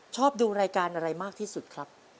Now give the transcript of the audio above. ชอบดูรายการอะไรมากที่สุดครับ